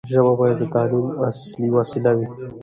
ژبه باید د تعلیم اصلي وسیله وي.